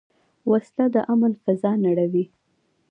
وسله د امن فضا نړوي